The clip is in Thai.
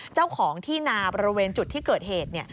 เจ้าของที่นาบริเวณจุดที่เกิดเหตุ